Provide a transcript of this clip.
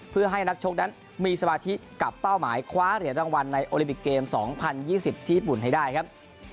เพื่อให้นักชกนั้นมีสมาธิกับเป้าหมายคว้าเหรียญรางวัลในโอลิปิกเกม๒๐๒๐ที่ญี่ปุ่นให้ได้ครับ